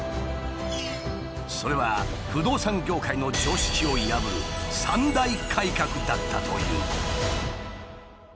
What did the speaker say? それは不動産業界の常識を破る「３大改革」だったという。